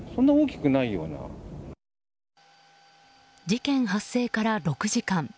事件発生から６時間。